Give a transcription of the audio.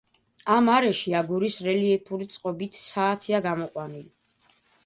ამ არეში აგურის რელიეფური წყობით საათია გამოყვანილი.